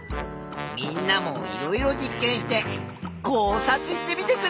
みんなもいろいろ実験して考察してみてくれ。